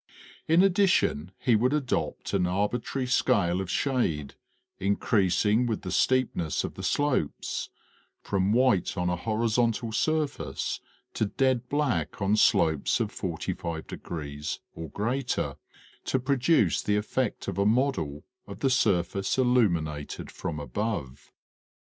In addition he would adopt an arbitrary scale of shade increasing with the steep ness of the slopes, from white on a horizontal surface to dead black on slopes of forty five degrees, or greater, to produce the effect of a model of the surface illuminated from above.